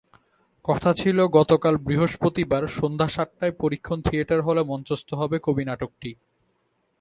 কথা ছিল গতকাল বৃহস্পতিবার সন্ধ্যা সাতটায় পরীক্ষণ থিয়েটার হলে মঞ্চস্থ হবে কবি নাটকটি।